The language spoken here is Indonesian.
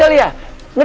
kok bisa meletus